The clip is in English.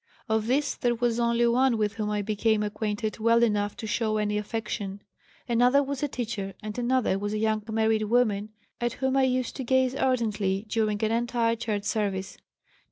Of these there was only one with whom I became acquainted well enough to show any affection; another was a teacher, and another was a young married woman at whom I used to gaze ardently during an entire church service.